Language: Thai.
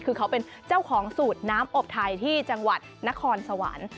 คือเขาเป็นเจ้าของสูตรน้ำอบไทยที่จังหวัดนครสวรรค์